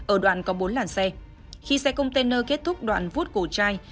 ở đoạn có bốn làn xe khi xe container kết thúc đoạn vuốt cổ trai